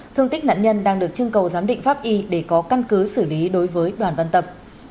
thương tích nạn nhân đang được chương cầu giám định pháp y để có căn cứ xử lý đối với công an văn tập